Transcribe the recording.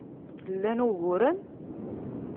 Lan uguren?